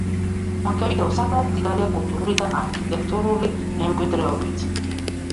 მონტევიდეო საკმაოდ მდიდარია კულტურული და არქიტექტურული მემკვიდრეობით.